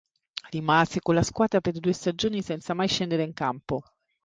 Rimase con la squadra per due stagioni senza mai scendere in campo.